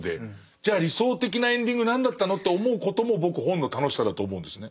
じゃあ理想的なエンディング何だったの？と思うことも僕本の楽しさだと思うんですね。